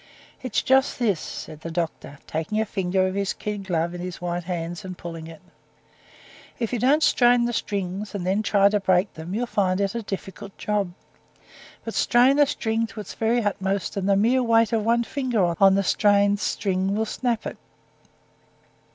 "It's just this," said the doctor, taking a finger of his kid glove in his white hands and pulling it, "if you don't strain the strings, and then try to break them, you'll find it a difficult job; but strain a string to its very utmost, and the mere weight of one finger on the strained string will snap it.